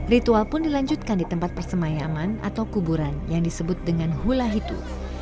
ritual pun dilanjutkan di tempat persemayaman atau kuburan yang disebut dengan hulah itu